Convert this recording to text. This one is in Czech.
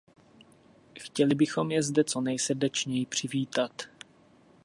Chtěli bychom je zde co nejsrdečněji přivítat.